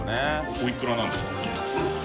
おいくらなんですか？